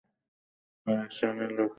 আর এক শ্রেণীর লোকের হৃদয়ে সহানুভূতি ছিল।